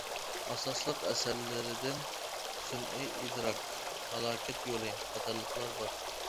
ئاساسلىق ئەسەرلىرىدىن: «سۈنئىي ئىدراك» ، «ھالاكەت يولى» قاتارلىقلار بار.